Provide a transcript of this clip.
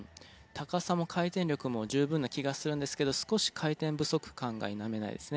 高さも回転力も十分な気がするんですけど少し回転不足感が否めないですね。